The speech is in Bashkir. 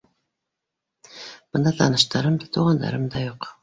Бында таныштарым да, туғандарым да юҡ.